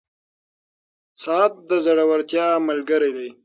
• ساعت د زړورتیا ملګری دی.